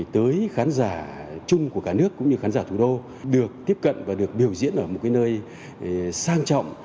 tới khán giả chung của cả nước cũng như khán giả thủ đô được tiếp cận và được biểu diễn ở một nơi sang trọng